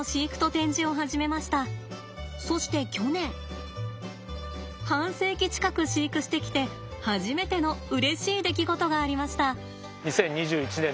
そして去年半世紀近く飼育してきて初めてのうれしい出来事がありました。